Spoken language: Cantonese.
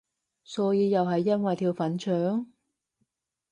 所以又係因為條粉腸？